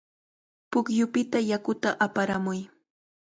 Pukyupita yakuta aparamuy.